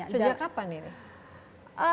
sejak kapan ini